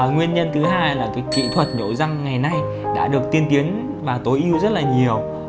nguyên nhân thứ hai là kỹ thuật nhội răng ngày nay đã được tiên tiến và tối ưu rất là nhiều